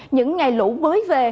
những ngày lũ mới về